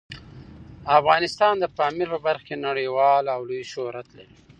افغانستان د پامیر په برخه کې نړیوال او لوی شهرت لري.